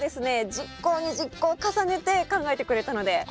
熟考に熟考を重ねて考えてくれたので。